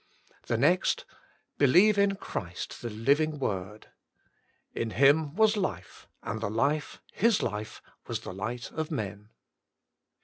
The next : believe in Christ the Living Word. " In Him was life, and the life — His life, was the light of men."